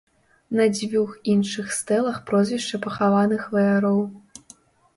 На дзвюх іншых стэлах прозвішча пахаваных ваяроў.